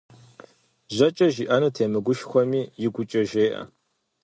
ЖьэкӀэ жиӀэну темыгушхуэми, игукӀэ жеӀэ.